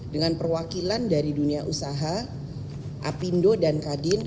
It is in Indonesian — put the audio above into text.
dengan perwakilan dari dunia usaha apindo dan kadin